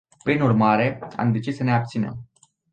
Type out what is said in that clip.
Prin urmare, am decis să ne abținem.